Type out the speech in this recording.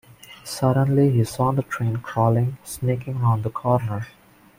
Suddenly he saw the train crawling, sneaking round the corner.